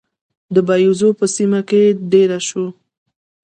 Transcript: د باییزو په سیمه کې دېره شو.